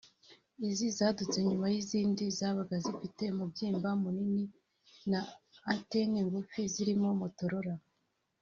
Izi zadutse nyuma y’izindi zabaga zifite umubyimba munini na antene ngufi zirimo Motorola